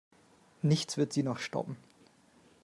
Nichts wird sie noch stoppen.